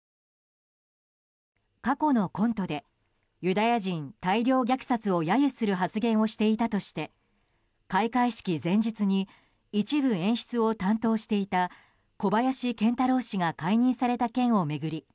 過去のコントでユダヤ人大量虐殺を揶揄する発言をしていたとして開会式前日に一部演出を担当していた小林賢太郎氏が解任された件を巡り